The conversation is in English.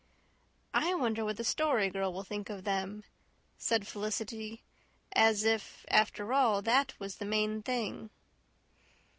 "I wonder what the Story Girl will think of them," said Felicity, as if, after all, that was the main thing.